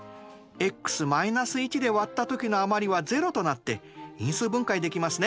ｘ−１でわったときの余りは０となって因数分解できますね。